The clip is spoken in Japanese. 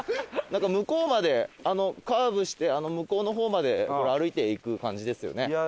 なんか向こうまでカーブして向こうの方まで歩いていく感じですよね。